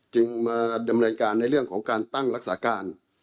มาดำเนินการในเรื่องของการตั้งรักษาการ